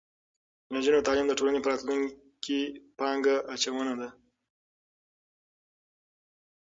د نجونو تعلیم د ټولنې په راتلونکي پانګه اچونه ده.